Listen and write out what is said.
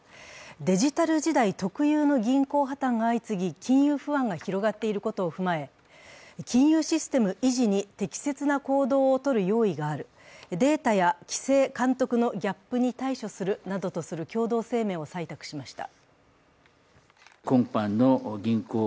デジタル時代特有の銀行破綻が相次ぎ金融不安が広がっていることを踏まえ、金融システム維持に適切な行動をとる用意がある、データや規制・監督のギャップに対処するなどとする共同声明を採択しました。